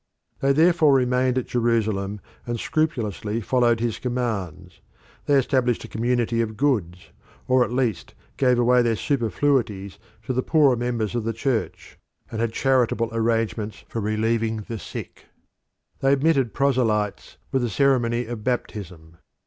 They therefore remained at Jerusalem and scrupulously followed his commands. They established a community of goods, or at least gave away their superfluities to the poorer members of the Church, and had charitable arrangements for relieving the sick. They admitted proselytes with the ceremony of baptism.